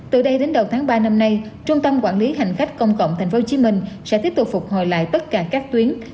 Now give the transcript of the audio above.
từ đây đến đầu tháng ba năm nay trung tâm quản lý hành khách công cộng tp hcm sẽ tiếp tục phục hồi lại tất cả các tuyến